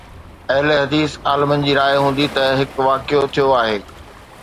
اهلحديث عالمن جي راءِ هوندي ته هڪ واقعو ٿيو آهي.